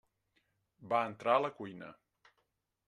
Va entrar a la cuina.